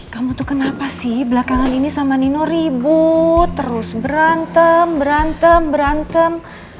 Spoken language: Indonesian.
kamu tuh kenapa sih belakangan ini sama nino ribut terus berantem berantem